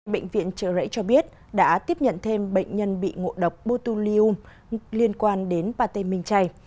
bệnh viện trợ rẫy cho biết đã tiếp nhận thêm bệnh nhân bị ngộ độc botutulium liên quan đến bà tê minh chay